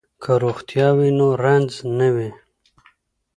که روغتیا وي نو رنځ نه وي.